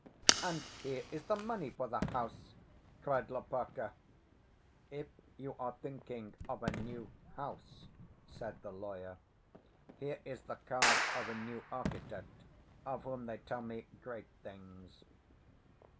"And here is the money for the house!" cried Lopaka. "If you are thinking of a new house," said the lawyer, "here is the card of a new architect, of whom they tell me great things."